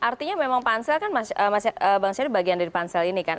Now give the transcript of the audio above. artinya memang pansel kan bang syaril bagian dari pansel ini kan